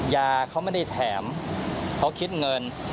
ยาเขาไม่ได้แถมเขาคิดเงิน